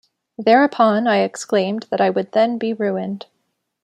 Thereupon I exclaimed that I would then be ruined.